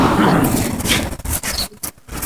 তাহলে এত সময় কোন গ্রহ পাচ্ছে?